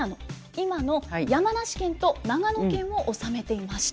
今の山梨県と長野県を治めていました。